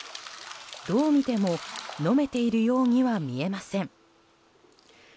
どう見ても飲めているようには見えません。